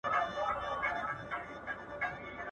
د نجونو زده کړه د باور وړ مشارکت رامنځته کوي.